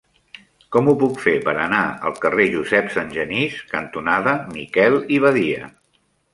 Com ho puc fer per anar al carrer Josep Sangenís cantonada Miquel i Badia?